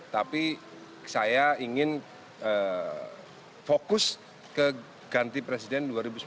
tapi saya ingin fokus ke ganti presiden dua ribu sembilan belas